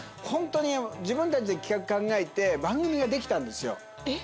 ホントに自分たちで企画考えて番組ができたんですよ。